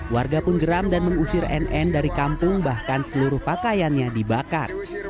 warga pun geram dan mengusir nn dari kampung bahkan seluruh pakaiannya dibakar